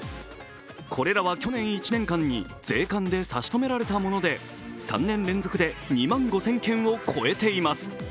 これらは去年１年間に税関で差し止められたもので３年連続で２万５０００件を超えています。